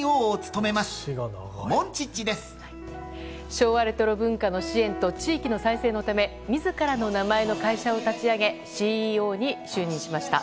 昭和レトロ文化の支援と地域の再生のため自らの名前の会社を立ち上げＣＥＯに就任しました。